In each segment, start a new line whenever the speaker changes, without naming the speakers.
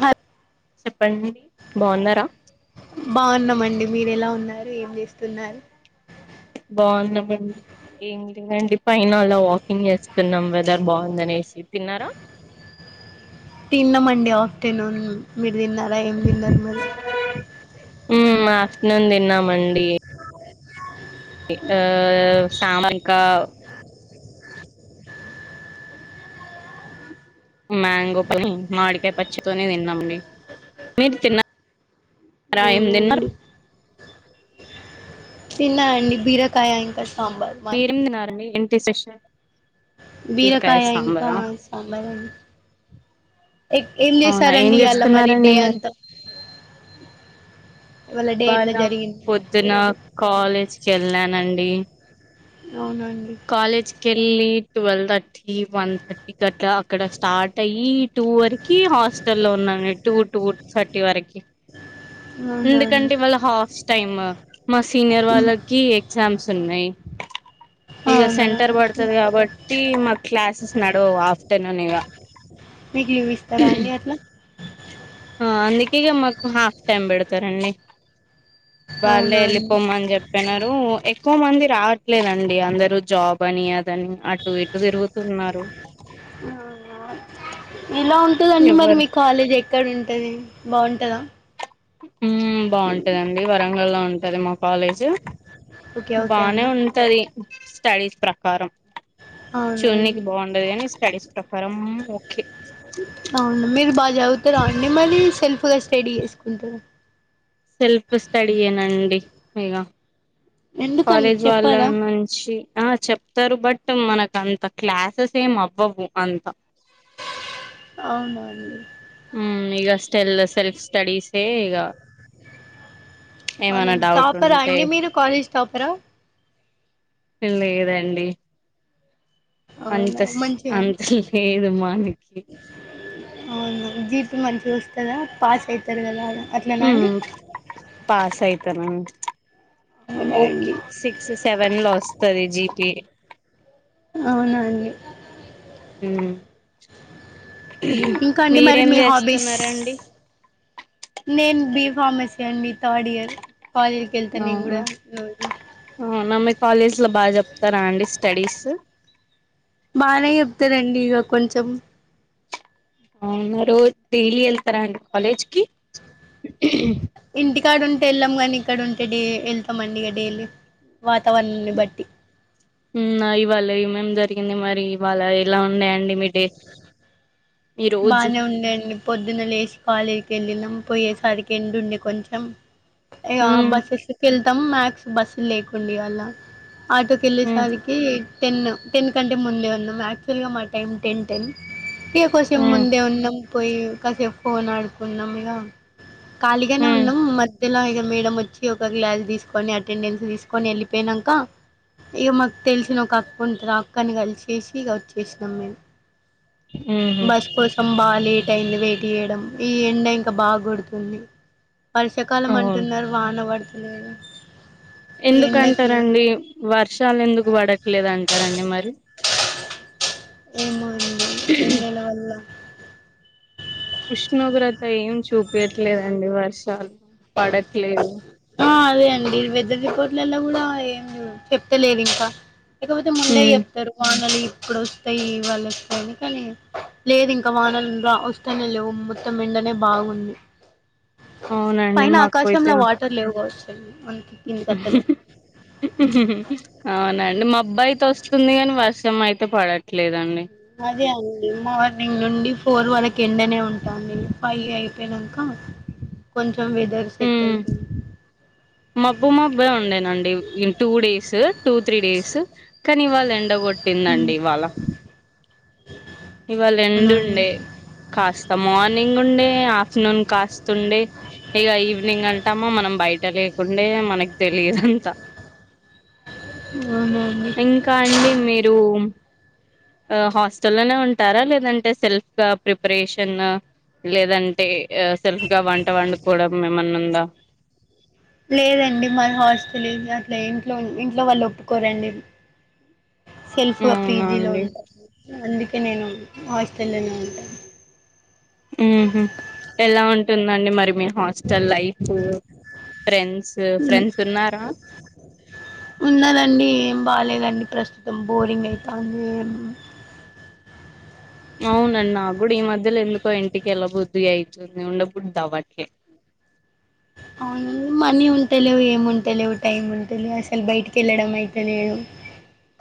హ ల్
చెప్పండి బాగున్నారా
బావున్నామండి మీరు ఎలా ఉన్నారు ఏం చేస్తున్నారు
బావున్న మండి ఏమి లే అండి పైనా అలా వాకింగ్ చేస్తున్నాం వెదర్ బాగుంద అనేసి తిన్నారా
తిన్న మండే ఆఫ్టర్నూన్ మీరు తిన్నారా ఏం తిన్నారు మరి
మ్ ఆఫ్టనున్ తిన్నామండి ఇంకా సామాన్ ఇంకా మ్యాంగో పని మామిడికాయ పచ్చితోనే తిన్నామండి మీరు తిన్న
అవునండి తిన్నా అండి బీరకాయ ఇంకా సాంబార్ మా
ఎం తినరండి ఏంటి సెషన్
బీరకాయ ఇంకా సాంబారండి ఏ ఏం
అవునా ఏం
చేసారండి ఇయళ మరి
చేస్తున్నారండి
డే అంతా ఇవాళ డే
వాళ
ఎట్లా జరిగింది
పొద్దున కాలేజ్ కెళ్ళానండి
అవునండి
కాలేజ్ కేళ్ళి ట్వెల్వ్ థర్టీ వన్ థర్టీ కటలా అక్కడ స్టార్ట్ అయ్యి టూ వరకి హాస్టల్ లో ఉన్నా టూ టూ థర్టీ వరకి
అవునా అండి
ఎందుకంటే ఇవాళ హాస్ టైమ్ మా సీనియర్ వాళ్ళకి ఎగ్జామ్స్ ఉన్నాయి ఇగా
అవునా
సెంటర్ పడతది కాబట్టి మా క్లాసెస్ నడవు ఆఫ్ తినలేక
మీకు లీవ్ ఇస్తారా
హ్
అండి అట్లా
అందుకేగా మాకు హాఫ్ టైమ్ పెడతారండి వలే
అవునా అండి
వెళ్ళిపోంమ అని చెప్ప నారు ఎక్కువ మంది రావట్లేదండి అందరుూ జాబ్ అని అదని అటు ఇటు తిరుగుతున్నారు
ఎలా ఉంటదండి మరి
ఎవరు
మీకు కాలేజ్ ఎక్కడ ఉంటుంది బావుంటదా
ఉ బావుటదండి వరంగల్ లో ఉంటది మా కాలేజీ
ఓకే ఓకే
బానే
అండి
ఉంటది స్టడీస్ ప్రకారం
అవును
చూనికి బాగుండది కాని స్టడీస్ ప్రకారం ఓకే
అవును మీరు బాగా చదువుతార అండి మళ్ళీ సెల్ఫ్ గా స్టడీ చేసుకుంటర
సెల్ఫ్ స్టడీ ఎనాండి ఈగ
ఎందుకండి
కాలేజ్ వాళ్ళ
చెప్పాలా
నుంచి ఆ చెప్ప వస్తారు బట్ మనకు అంత క్లాసెస్ ఏం అవ్వవు అంత
అవునాండి
ఉమ్ ఇగ స్టెల్లో సెల్ఫ్ స్టడీసే ఇగ ఏమైనా
అవునండి
డౌట్
టాపర్ ఆ
ఉంటే
అండి మీరు కాలేజ్ టాపరా
లేదండి అంత
అవునా
సి అంత లేదు మనకి
అవునా జీత్ మంచిగా వస్తుందా పాస్ అయితారు కదా ఆడ అట్లనా అండి
మ్మ్ పాస్ అయితానా ఓకే
అవునండి
సి స్ సెవెన్ లో వస్తది జికె
అవునాండి ఇంకాండి మరి
మీరేం
మీ హాబీస్
చేస్తున్నారండి
నేను బి ఫార్మసీ అండి థర్డ్ ఇయర్ కాలేజీకి వెళ్తా నేను
అవును
కూడా రోజు
అవునా మీ కాలేజ్ లో బా జేప్తారా అండి స్టడీస్
బానే చెప్తారండి ఇగ కొంచెం
అవునా రో డైలీ ఎళ్తారా అండి కాలేజ్కి
ఇంటికాడుంటే ఎళ్ళాం గాని ఇక్కడ ఉంటే డే ఎళ్తామండి ఇక డైలీ వాతావరణాన్ని బట్టి
మ్ ఇవాళ ఏమేం జరిగింది మరి ఇవాళ ఎలా ఉన్నాయి అండి మీ డే ఈ రోజు
బానే ఉందండి పొద్దున లేసి కాలేజ్కి ఎళ్ళినాం పోయేసరికి ఎండా ఉండే కొంచెం ఇగ
ఉమ్
బస్సెక్కి వెళ్తాం మ్యాక్స్ బస్సు లేకుండే అలా ఆటో
ఉమ్
కెళ్ళేసరికి టెన్ టెన్ కంటే ముందే ఉన్నాం యాక్చువల్ గా మా టైం టెన్ ఇగ కొసెం
ఉమ్
ముందే ఉన్నాం పోయి కసే ఫోన్ ఆడుకున్నాం ఇగ ఖాళీగానే
ఉమ్
ఉన్నాం మధ్యలో ఇగ మేడమ్ వచ్చి ఇగ ఒక గ్లాస్ తీసుకొని అటెండెన్స్ తీసుకొని ఎళ్ళిపోయినాంక ఇగ మాకు తెలిసిన ఒక అక్క ఉంటది ఆ అక్కని కలిసేసి ఇగ వచ్చేసినాం మేము
ఉహు
బస్ కోసం బాగా లేట్ అయింది వెయిట్ చేయడం ఈ ఎండ ఇంకా బాగ గొడుతుంది వర్షాకాలం
అవును
అంటున్నారు వాన వడతలేదు
ఎందుకంటారండి వర్షాలు ఎందుకు పడట్లేదంటారండి మరి
ఏమో అండి ఎండల వల్ల
ఉష్ణోగ్రత ఏం చూపయట్లేదండి వర్షాలు పడట్లేదు
ఆ అదే అండి వెదర్ రిపోర్ట్లలో కూడా ఏమి చెప్తలేదు ఇంకా లేకపోతే ముందే
ఉమ్
చెప్తారు వానలు ఇక్కడ వస్తాయి వాళ్ళు వస్తాని కానీ లేదు ఇంకా వానలుగా వస్తానే లేవు త్తం ఎండనే బావుంది
అవునండి
పైన ఆకాశంల
మాకైతే
వా టర్ లేవు కావచ్చు అండి
అవునండి మబ్బు అయితే వస్తుంది కాని వర్షం అయితే పడట్లేదండి
అదే అండి మార్నింగ్ నుండి ఫోర్ వరకి ఎండనే ఉంటాడి ఫై అయిపోయినాక కొంచెం వెదర్ సెట్
ఉమ్
అయిపోయింది
మబ్బు మబ్బు ఉండేనండి ఇగ two days two three days కానీ ఇవాళ
ఉమ్
ఎండగొట్టిందండి ఇవాళ ఇవాళ ఎండ
అవునండి
ఉండే కాస్త మార్నింగ్ ఉండే ఆఫ్టర్నూన్ కాస్త ఉండే ఇగ ఈవినింగ్ అంత మనం బయట లేకుండే మనకి తెలియదంత
అవునవును
ఇంకా అండి మీరు ఆ హాస్టల్ లోనే ఉంటారా లేదంటే సెల్ఫ్ గా ప్రిపరేషన్ లేదంటే ఆ సెల్ఫ్గా వంట వండుకోవడం ఎమన్నుందా
లేదండి మరి హాస్టల్ ఏం అట్లా ఇంట్లో ఇంట్లో వాళ్ళు ఒప్పుకోరండి సెల్ఫ్గా పీ
అవునా
జీ లో
అండి
ఉంటాను అందుకే నేను హాస్టల్లోనే ఉంటా
ఎలా ఉంటుందండి మరి మీ హాస్టల్ లైఫు ఫ్రెండ్స్ ఫ్రెండ్స్ ఉన్నారా
ఉన్నరండి ఏం బాలేదండి ప్రస్తుతం బోరింగ్ ఐతావుందా
అవునండి నాకు కూడా ఈ మధ్యలో ఎందుకో ఇంటికి ఎల్ల బుద్ధి ఐతుంది ఉండబుద్ది అవ్వట్లే
అవునే మనీ ఉంటలేవు ఏమి ఉంటలేవు టైం ఉంటలే అసలు బయటికెళ్ళడం అయితేనే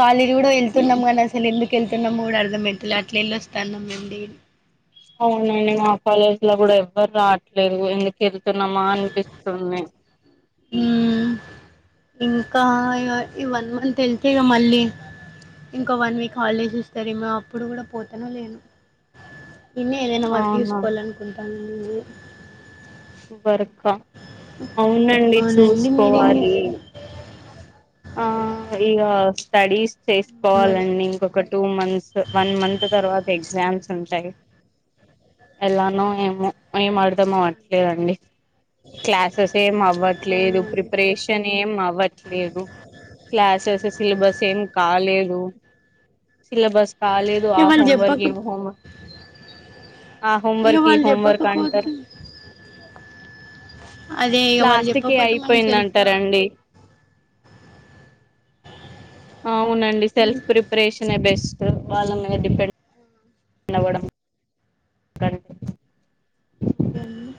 కాలేజీ కూడా
మ్మ్.
వెళ్తున్నాం కానీ అసలు ఎందుకెళ్తున్నామో కూడా అర్ధమైతలే అట్లెళ్ళొస్తాన్నామండి
అవునండి మా కాలేజ్ లో కూడా ఎవ్వరూ రావట్లేదు ఎందుకెళ్తున్నామా అనిపిస్తుంది
ఉమ్ ఇగ ఈ వన్ మంత్ ఎళ్తే ఇగ మళ్ళీ ఇంకో వన్ వీక్ హాలిడేస్ వస్తాదేమో అప్పుడు కూడా పోతానో లేనో ఈడనే ఏదైనా వర్కు
అవునా
చూసుకోవాలనుకుంటా [inaudible]
వర్క్ ఆ అవునండి
అవునండి మీరేం
చూసుకోవాలి
చేస్తారు
ఆ ఇగ స్టడీస్
అదే
చేసుకోవాలండి ఒక టూ మంత్స్ వన్ మంత్ తర్వాత ఎగ్జామ్స్ ఉంటాయి ఎలానో ఏమో ఏం ఆర్దం అవ్వట్లేదండి క్లాసెస్ ఏం అవ్వట్లేదు
అవునండి
ప్రిపరేషన్ ఏం అవ్వట్లేదు క్లాసెస్ సిలబస్ ఏం కాలేదు సిలబస్ కాలే దు ఆ
ఇగ వాళ్ళు
హోంవర్క్ ఈ
చెప్పక
హోంవ ఆ
ఇగ
హోంవర్క్ ఈ
వాళ్ళు
హోంవర్క్ అంటారు
చెప్పకపోతే అదే ఇగ వాళ్ళు
లాస్ట్ కి
చెప్పకపోతే మనం సెల్ఫ్గా
అయిపోయిందంటారండి అవునండి సెల్ఫ్ ప్రిపరేషనే బెస్ట్ వాళ్ళ మీద డిపెండ్ అవ్వడం కంటే
అదండీ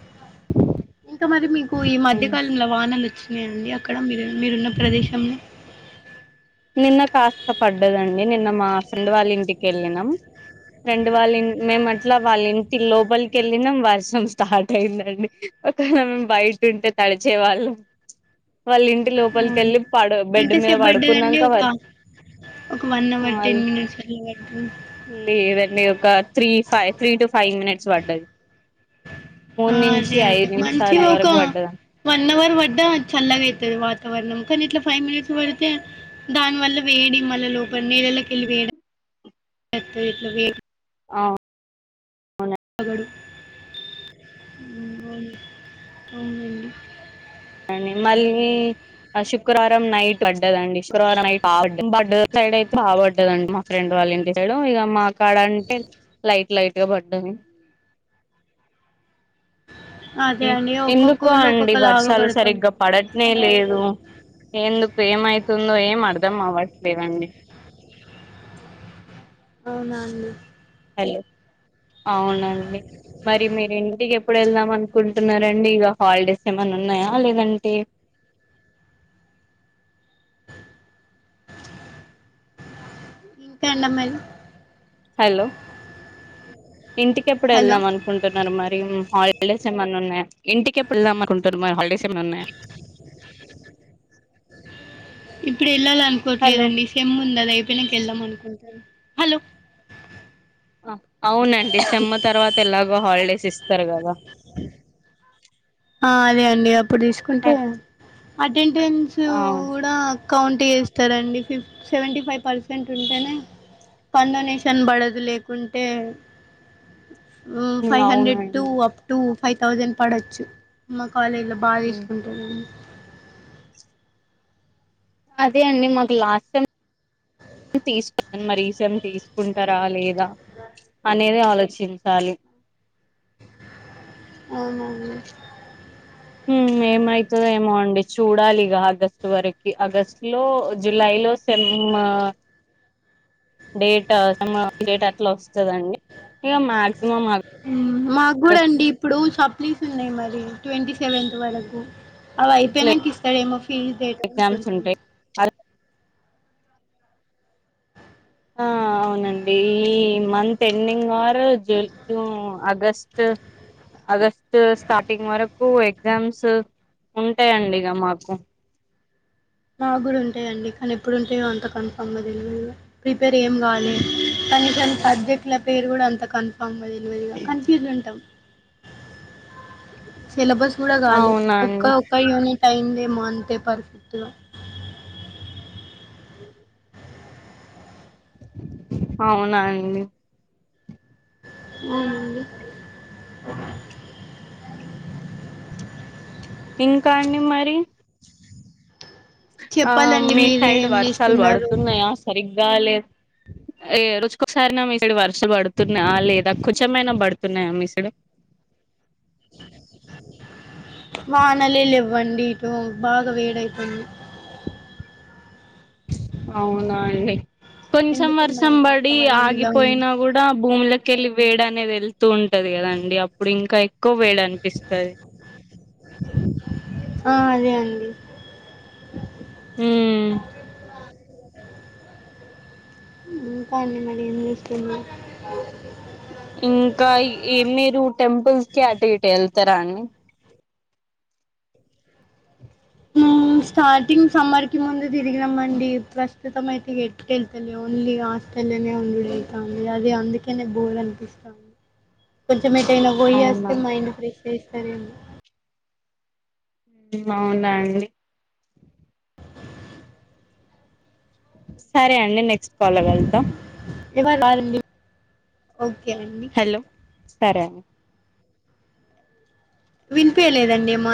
ఇంకా మరి మీకు ఈ మధ్య కాలంలో వానలు వచ్చినయా అండి అక్కడ మీరు మీరున్న ప్రదేశంలో
నిన్న కాస్త పడ్డదండి నిన్న మా ఫ్రెండ్ వాళ్ళ ఇంటికెళ్ళినం ఫ్రెండ్ వాళ్ళిం మేం అట్లా వాళ్ళ ఇంటి లోపలికి వెళ్ళినం వర్షం స్టార్ట్ అయ్యిందండి ఒకేళ మేం బయట ఉంటే తడిచేవాళ్ళం వాళ్ళ ఇంటి లోపలికెళ్ళి పడు బెడ్ మీద పడు
లేదండి ఒక ఒక వన్ అవర్ టెన్ మినిట్స్ [inaudible]
లేదండి ఒక three five three to five minutes పడ్డది మూడు
ఆ
నుంచి
అదే అండి
ఐదు నిమిషాల
మంచిగా ఒక
వరకు పడ్డదా
వన్ అవర్ పడ్డా చల్లగా ఇతది వాతావరణం కానీ ఇట్లా ఫైవ్ మినిట్స్ పడితే దాని వల్ల వేడి మళ్ళ లోపల నీళ్లల్లకెళ్ళి [unintelligible] ఇట్లా వే
ఆ
కబడి అవునండి
దాని మళ్ళీ ఆ శుక్రవారం నైట్ పడ్డదండి శుక్రవారం నైట్ [unintelligible] ఫ్రెండు వాళ్ళ ఇంటి సైడ్ ఇగ మా కాడ అంటే లైట్ లైట్ గా పడ్డది
అదే అండి ఒక్కొక్క
ఎందుకో
ఊర్లో
అండి
ఒక్కొక్కలాగా
వర్షాలు
పడతాం
సరిగ్గా పడట్నే లేదు ఎందుకు ఏమైతుందో ఏం అర్థం అవ్వట్లేదండి
అవునా అండి
హలో అవునండి మరి మీరు ఇంటికి ఎప్పుడు వెళ్దాం అనుకుంటున్నారండి ఇక హాలిడేస్ ఏమైన్నా ఉన్నాయా లేదంటే
రెండు మాల్
హలో ఇంటికి ఎప్పుడు
హలో
వెళ్దాం అను కుంటున్నారు మరి హాలిడేస్ ఏమైన్నా ఉన్నాయి ఇంటిక ఎప్పుడుదాం అనుకుంటున్నారు మరి హాలిడేస్ ఏమైన్నా ఉన్నాయి
ఇప్పుడు వెళ్ళాల
హలో
అనుకోవట్లేదండి సమ్ ఉంది అదా అయిపోయినాక వెళ్దాం అనుకుంటారు హలో
అవునండి సేమ్ తర్వాత ఎలాగో హాలిడేస్ ఇస్తారు కదా
ఆ అదే అండి అప్పుడు తీసుకుంటే అటెండెన్స్
అవును
కూడా కౌంట్ చేస్తారండి ఫిఫ్ సెవెంటీ ఫైవ్ పర్సెంట్ ఉంటేనే పంనేషన పడదు లేకుంటే ఫైవ్ హండ్రెడ్ టు
అవునండి
అప్ టు ఫైవ్ థౌజండ్ పడచ్చు మా కాలేజీ లో బాగా తీసుకుంటారండి
అదే అండి మాకు లాస్ట్ టైం తీసుకున్నాను మరీసేం తీసుకుంటారా లేదా అనేది ఆలోచించాలి
అవున అండి
మ్ అవుతుంద ఏమో అండి చూడాలిగా ఆగస్టు వరకి ఆగస్టు లో జులై లో సెమ్ డేట్ డేట్ అట్లా వస్తుందండి ఇక మాక్సిమం
మాకు కూడా
ఆగస్ట్
అండి ఇప్పుడు సప్లీస్ ఉన్నాయి మరి ట్వంటీ సెవెంత్ వరకు అవ
లో
అయిపోయినాక ఇస్తాడేమో ఫీజ్ తేయా అనుకుంటాను
ఐ ఆ అవునండి ఈ మంత్ పెన్నింగ్ అర్ జ జు ఆగష్టు ఆగష్టు స్టార్టింగ్ వరకు ఎగ్జామ్స్ ఉంటాయండి ఇగ మాకు
నాకు కూడా ఉంటాయంండి కానీ ఎప్పుడుంటాయో అంత కన్ఫామ్ అ తెలివ ప్రిపేర్ ఏ్యం కాదు కానీ కానీ సబ్జెక్టుల పేరు కూడా అంత కని కన్ఫర్మ్ తెలీదు కన్ఫ్యూజ్ ఉంటాం సిలబస్ కూడా కాలే ఒక్క
అవునండి
ఒక్క యూనిట్ అయిందేమో అంతే పర్ఫెక్ట్ గా
అవునాండి
అవునండి
ఇంకా అండి మరి ఆ
చెప్పాలండి
మీ సైడ్
మీరేం
వర్షాలు
జేస్తున్నారు?
పడుతున్నాయా సరిగ్గా లేదు ఏ రోజుకోసారనా మీసైడ్ వర్ష పడుతున్నా లేదా కొంచెమైనా పడుతున్నాయా మీసైడ్
వానలే లే ఇవ్వండి ఇటు బాగా వేడయిపోయింది
అవునా అండి కొంచెం
ఎందుకు
వర్షం
మరి
పడి
వాతావరణం ఇలా ఉంది?
ఆగిపోయినా కూడా భూములకెళ్ళి వేడనేది వెళ్తు వూ ఉంటది కదాండి అప్పుడు ఇంకా ఎక్కువ వేడి అనిపిస్తుంది
ఆ అదే అండి
హమ్
ఇంకా ఇగ మరి ఎం చేస్తున్నావ్
ఇంకా ఏ మీరు టెంపుల్స్ కి అటు ఇటు వెళ్తారా అని
స్టార్టింగ్ సమ్మర్ కి ముందు తిరిగినాంమండి ప్రస్తుతం అయితే ఎట్ వెళ్తులే ఓన్లీ హాస్టల్లోనే ఉండువుతాంది అది అందుకేనే బోర్ అనిపిస్తాంది కొంచెం ఎటైనా
అవునా
పోయేస్తే మైండ్ ఫ్రెష్ అయితదేమో
బాగున్నానండి సరే అండి నెక్స్ట్ కాల్లో కలుదాం
ఇవాళ్ళ అయ్యింది
హలో ఇస్తారా
వినియలేదండి మా